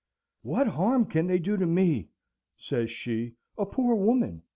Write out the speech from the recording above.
"What harm can they do me," says she, "a poor woman?